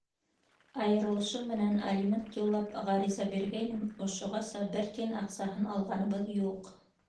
Айырылышыу менән алимент юллап ғариза биргәйнем, ошоғаса бер тин аҡсаһын алғаныбыҙ юҡ.